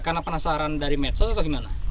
karena penasaran dari medsos atau gimana